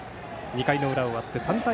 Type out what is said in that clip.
２回の裏終わって３対１。